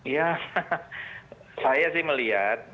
ya saya sih melihat